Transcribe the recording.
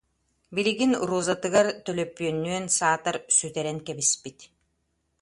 Билигин Розатыгар төлөпүөннүөн, саатар, сүтэрэн кэбиспит.